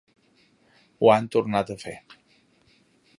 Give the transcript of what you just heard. Ho han tornat a fer.